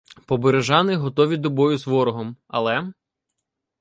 Побережани готові до бою з ворогом, але.